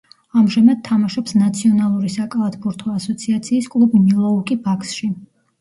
ამჟამად თამაშობს ნაციონალური საკალათბურთო ასოციაციის კლუბ მილოუკი ბაქსში.